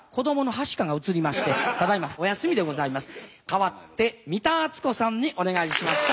代わって三田篤子さんにお願いしました。